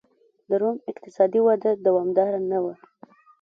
د روم اقتصادي وده دوامداره نه وه.